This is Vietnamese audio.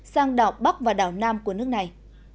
sang đảo bắc và đảo nam của nước này